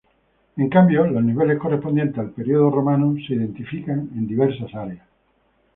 En cambio, los niveles correspondientes al período romano se identifican en diversas áreas.